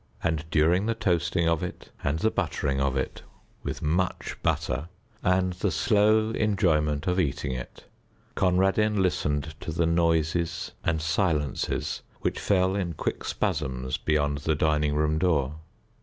And during the toasting of it and the buttering of it with much butter and the slow enjoyment of eating it, Conradin listened to the noises and silences which fell in quick spasms beyond the dining room door.